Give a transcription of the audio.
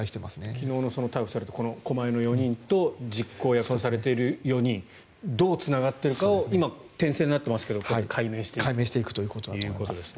昨日の逮捕された狛江の４人と実行役とされている４人どうつながっていくかを今は点線になっていますが解明していくということですね。